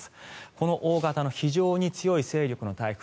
この大型の非常に強い勢力の台風